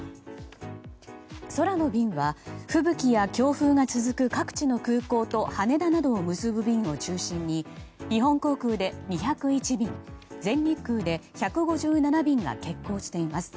空の便は、吹雪や強風が続く各地の空港と羽田などを結ぶ便を中心に日本航空で２０１便全日空で１５７便が欠航しています。